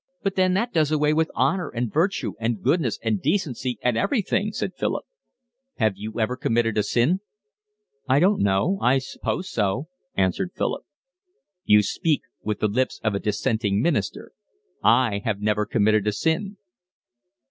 "But then that does away with honour and virtue and goodness and decency and everything," said Philip. "Have you ever committed a sin?" "I don't know, I suppose so," answered Philip. "You speak with the lips of a dissenting minister. I have never committed a sin."